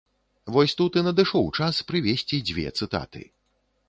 Вось тут і надышоў час прывесці дзве цытаты.